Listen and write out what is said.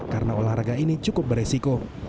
karena olahraga ini cukup beresiko